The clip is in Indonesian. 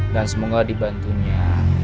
dan semoga dibantunya